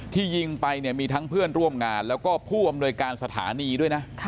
ยิงไปเนี่ยมีทั้งเพื่อนร่วมงานแล้วก็ผู้อำนวยการสถานีด้วยนะ